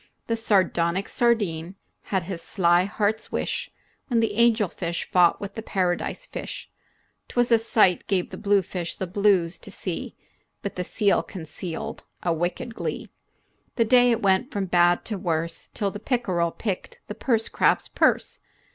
The sardonic sardine had his sly heart's wish When the angelfish fought with the paradise fish. 'T was a sight gave the bluefish the blues to see, But the seal concealed a wicked glee The day it went from bad to worse, Till the pickerel picked the purse crab's purse.